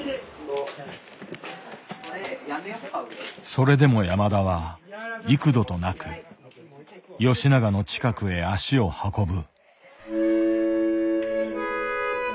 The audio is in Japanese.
それでも山田は幾度となく吉永の近くへ足を運ぶ。